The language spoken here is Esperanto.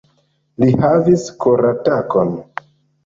Li havis koratakon.